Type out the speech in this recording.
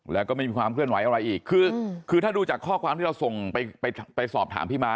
แล้วก็ไม่มีความเคลื่อนไหวอะไรอีกคือคือถ้าดูจากข้อความที่เราส่งไปไปสอบถามพี่มา